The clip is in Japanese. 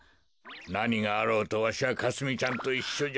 なにがあろうとわしはかすみちゃんといっしょじゃ。